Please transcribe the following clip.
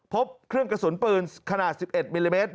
พบเครื่องกระสุนปืนขนาด๑๑มิลลิเมตร